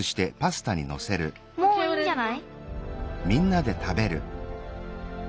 もういいんじゃない？